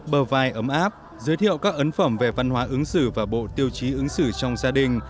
bờ vai ấm áp giới thiệu các ấn phẩm về văn hóa ứng xử và bộ tiêu chí ứng xử trong gia đình